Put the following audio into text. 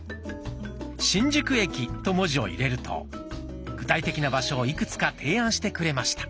「新宿駅」と文字を入れると具体的な場所をいくつか提案してくれました。